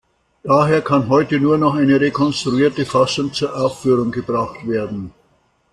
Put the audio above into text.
Daher kann heute nur noch eine rekonstruierte Fassung zur Aufführung gebracht werden.